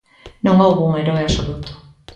Non houbo un heroe absoluto.